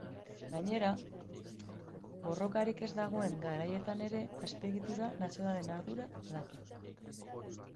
Gainera, borrokarik ez dagoen garaietan ere azpiegitura nazionalen arduraduna da.